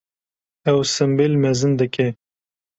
Ew simbêl mezin dike.